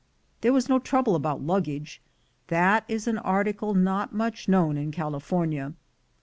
There was no trouble about luggage — that is an article not much known in California.